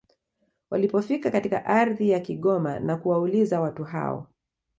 Walipofika katika ardhi ya Kigoma na kuwauliza watu hao